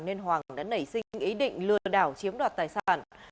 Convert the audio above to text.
nên hoàng đã nảy sinh ý định lừa đảo chiếm đoạt tài sản